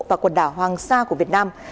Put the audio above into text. và quần đảo hoàng sa của việt nam